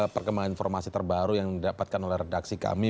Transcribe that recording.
perkembangan informasi terbaru yang didapatkan oleh redaksi kami